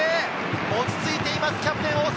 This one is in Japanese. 落ち着いています、キャプテン・大迫。